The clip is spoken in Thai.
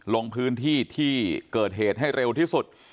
ลงพื้นที่ที่เกิดเหตุให้เร็วที่สุด